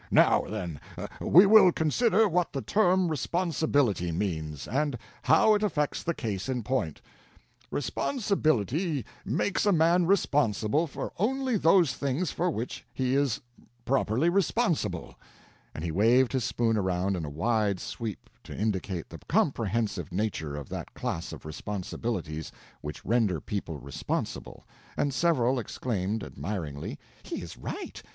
"Now, then, we will consider what the term responsibility means, and how it affects the case in point. Responsibility makes a man responsible for only those things for which he is properly responsible"—and he waved his spoon around in a wide sweep to indicate the comprehensive nature of that class of responsibilities which render people responsible, and several exclaimed, admiringly, "He is right!